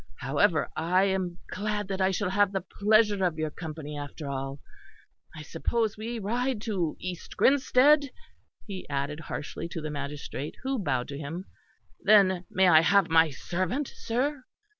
However, I am glad that I shall have the pleasure of your company after all. I suppose we ride to East Grinsted," he added harshly to the magistrate, who bowed to him. "Then may I have my servant, sir?"